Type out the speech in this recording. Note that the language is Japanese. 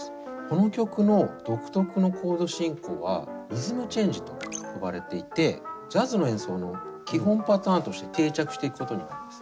この曲の独特のコード進行はリズム・チェンジと呼ばれていてジャズの演奏の基本パターンとして定着していくことになるんですね。